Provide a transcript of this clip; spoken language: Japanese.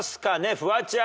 フワちゃん。